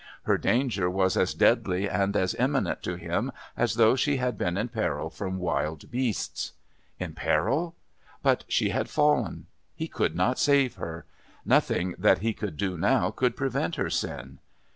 Her danger was as deadly and as imminent to him as though she had been in peril from wild beasts. In peril? But she had fallen. He could not save her. Nothing that he could do now could prevent her sin.